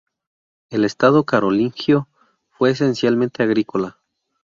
El Estado carolingio fue esencialmente agrícola.